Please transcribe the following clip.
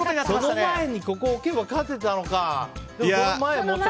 その前にここに置けば勝てたのか。